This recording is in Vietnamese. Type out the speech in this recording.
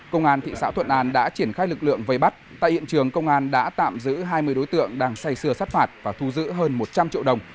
công an thị xã thuận an đã triển khai lực lượng vây bắt tại hiện trường công an đã tạm giữ hai mươi đối tượng đang say xưa sát phạt và thu giữ hơn một trăm linh triệu đồng